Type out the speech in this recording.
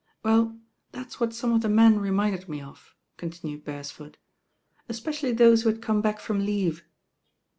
'•Well, that's what some of the men reminded me of, continued Beresford, "especially those who had come back from leave.